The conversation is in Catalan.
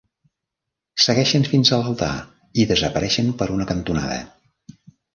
Segueixen fins a l"altar i desapareixen per una cantonada.